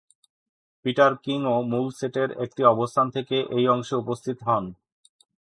Peter কিংও মূল সেটের একটি অবস্থান থেকে এই অংশে উপস্থিত হন।